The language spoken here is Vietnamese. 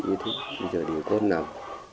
bây giờ để con nằm